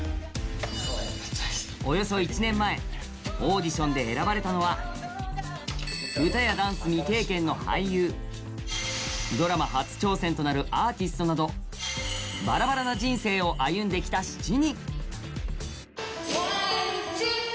およそ１年前、オーディションで選ばれたのは歌やダンス、未経験の俳優、ダンス初挑戦の俳優などバラバラな人生を歩んできた７人。